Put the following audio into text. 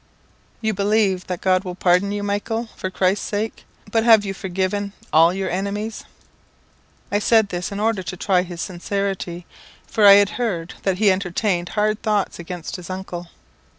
"You believe that God will pardon you, Michael, for Christ's sake; but have you forgiven all your enemies?" I said this in order to try his sincerity, for I had heard that he entertained hard thoughts against his uncle.